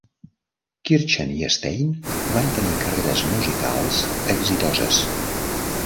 Kirchen i Stein van tenir carreres musicals exitoses.